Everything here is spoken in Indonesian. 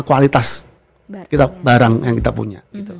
kualitas barang yang kita punya